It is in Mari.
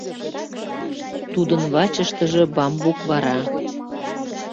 Тудын вачыштыже — бамбук вара.